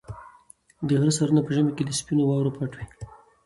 د غره سرونه په ژمي کې په سپینو واورو پټ وي.